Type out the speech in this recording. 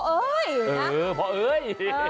เออพ่อเอ้ย